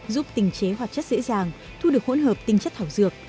giúp tinh chế hoạt chất dễ dàng thu được hỗn hợp tinh chất thảo dược